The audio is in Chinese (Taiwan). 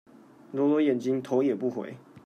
揉揉眼睛頭也不回